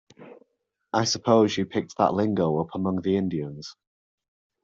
I suppose you picked that lingo up among the Indians.